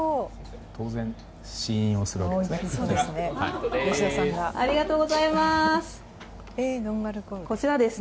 当然試飲をするわけですね。